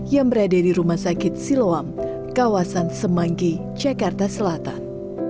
yang berada di rumah sakit siloam kawasan semanggi jakarta selatan